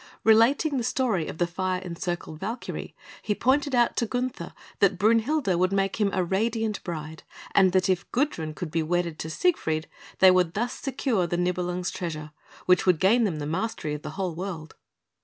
Relating the story of the fire encircled Valkyrie, he pointed out to Gunther that Brünhilde would make him a radiant bride, and that if Gudrun could be wedded to Siegfried, they would thus secure the Nibelung's treasure, which would gain them the mastery of the whole world.